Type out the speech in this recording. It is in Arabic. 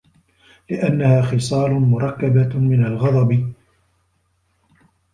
لِأَنَّهَا خِصَالٌ مُرَكَّبَةٌ مِنْ الْغَضَبِ